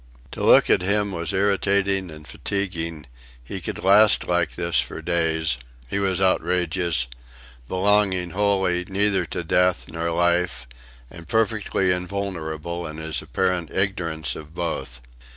To look at him was irritating and fatiguing; he could last like this for days; he was outrageous belonging wholly neither to death nor life, and perfectly invulnerable in his apparent ignorance of both.